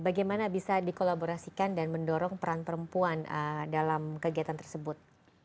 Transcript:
bagaimana bisa dikolaborasikan dan mendorong peran perempuan dalam kegiatan tersebut